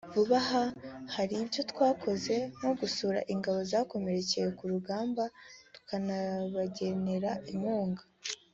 vuba aha hari ibyo twakoze nko gusura ingabo zakomerekeye ku rugamba tunabagenera inkunga